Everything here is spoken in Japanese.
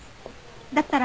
だったら。